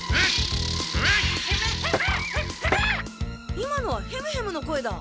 今のはヘムヘムの声だ。